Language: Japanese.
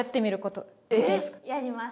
やります！